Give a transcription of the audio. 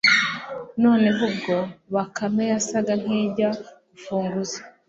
noneho ubwo bakame yasaga nijya gufunguza